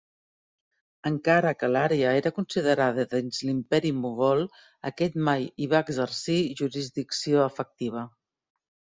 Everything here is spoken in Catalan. Encara que l'àrea era considerada dins l'Imperi Mogol, aquest mai hi va exercir jurisdicció efectiva.